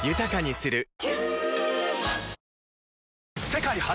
世界初！